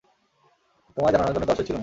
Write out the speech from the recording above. তোমায় জানানোর জন্য তর সইছিল না!